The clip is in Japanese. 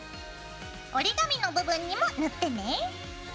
折り紙の部分にも塗ってね。